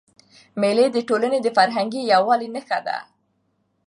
مېلې د ټولني د فرهنګي یووالي نخښه ده.